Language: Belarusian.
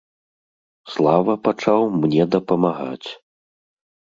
Слава пачаў мне дапамагаць.